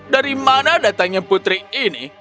dari mana datangnya putri ini